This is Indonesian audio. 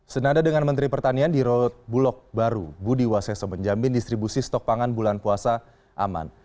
senada dengan menteri pertanian di road bulog baru budi waseso menjamin distribusi stok pangan bulan puasa aman